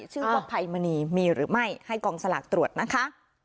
ชื่อว่าภัยมณีมีหรือไม่ให้กองสลากตรวจนะคะ